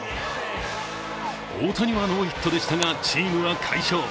大谷はノーヒットでしたがチームは快勝。